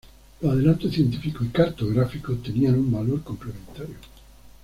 Los adelantos científicos y cartográficos tenían un valor complementario.